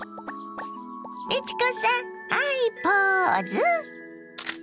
美智子さんハイポーズ！